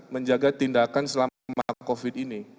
menjaga tindakan selama covid ini